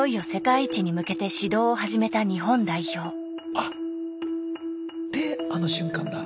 あっであの瞬間だ。